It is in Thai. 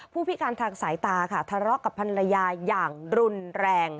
ผู้พิการทางสายตาค่ะทะเลาะกับภรรยาอย่างรุนแรง